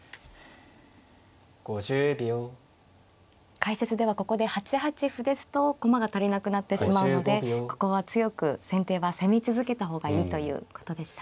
解説ではここで８八歩ですと駒が足りなくなってしまうのでここは強く先手は攻め続けた方がいいということでしたね。